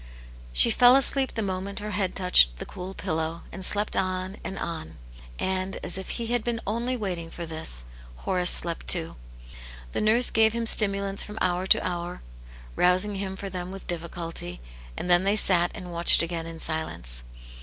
She fell asleep the moment her head touched the cool pillow, and slept on, and on. ' And, as if he had only been waiting for this, Hor ace slept too. The nurse gave him stimulants from hour to hour, rousing him for them with difficulty, and then they sat and watched again in silence.